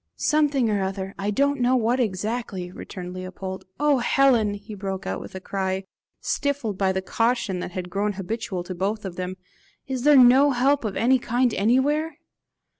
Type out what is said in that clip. "Something or other I don't know what exactly," returned Leopold. "Oh Helen!" he broke out with a cry, stifled by the caution that had grown habitual to both of them, "is there no help of any kind anywhere?